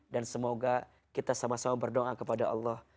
dan semoga kita sama sama berdoa kepada allah